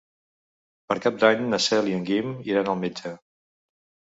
Per Cap d'Any na Cel i en Guim iran al metge.